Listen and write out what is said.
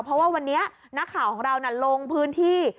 เพราะว่าวันนี้นักข่าวของเราลงพื้นที่